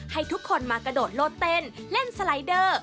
ให้ทุกคนมากระโดดโลดเต้นเล่นสไลเดอร์